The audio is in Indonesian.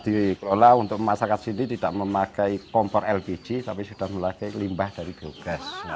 dikelola untuk masyarakat sini tidak memakai kompor lpg tapi sudah memakai limbah dari biogas